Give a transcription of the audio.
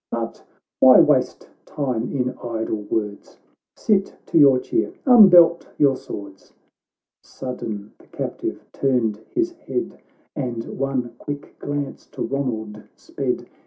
— But why waste time in idle words ? Sit to your cheer — unbelt your swords."— Sudden the captive turned his head, And one quick glance to Ronald sped.